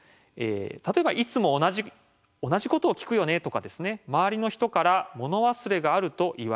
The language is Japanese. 例えば「いつも同じことを聞くよね」とかですね「周りの人から物忘れがあると言われているか」。